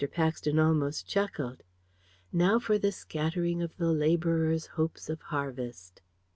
Paxton almost chuckled. "Now for the scattering of the labourer's hopes of harvest!"